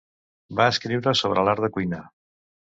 Va escriure sobre l'art de cuinar.